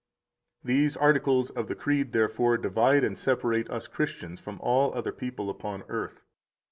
66 These articles of the Creed, therefore, divide and separate us Christians from all other people upon earth.